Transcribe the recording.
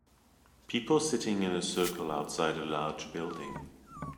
People sitting in a circle outside a large building.